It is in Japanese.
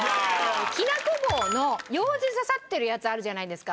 きなこ棒のようじ刺さってるやつあるじゃないですか。